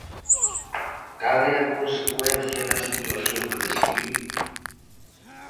Cal é a consecuencia da situación que describe?